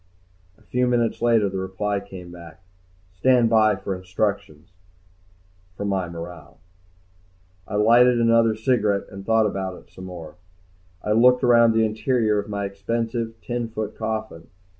A few minutes later the reply came back, STAND BY FOR INSTRUCTIONS. For my morale. I lighted another cigarette and thought about it some more. I looked around at the interior of my expensive, ten foot coffin.